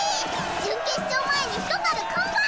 準決勝前にひと樽完売。